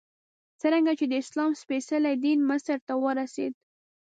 څرنګه چې د اسلام سپېڅلی دین مصر ته ورسېد.